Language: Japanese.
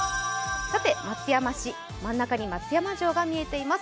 松山市、真ん中に松山城が見えています。